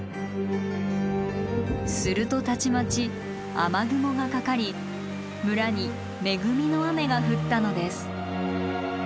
するとたちまち雨雲がかかり村に恵みの雨が降ったのです。